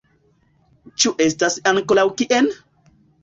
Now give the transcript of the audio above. Ĉu estas ankoraŭ kien?